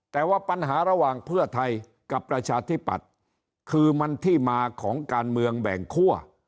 แต่ว่าปัญหาระหว่างเพื่อไทยกับประชาธิปัตย์คือมันที่มาของการเมืองแบ่งคั่ว